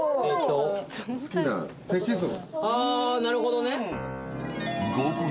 ああなるほどね。